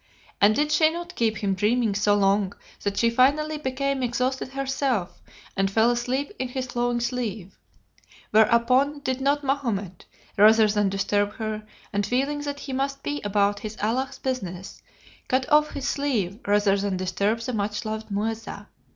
And did she not keep him dreaming so long that she finally became exhausted herself, and fell asleep in his flowing sleeve; whereupon did not Mahomet, rather than disturb her, and feeling that he must be about his Allah's business, cut off his sleeve rather than disturb the much loved Muezza?